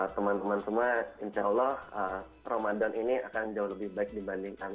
teman teman semua insya allah ramadan ini akan jauh lebih baik dibandingkan